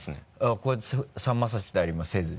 こうやって冷ましたりもせずに？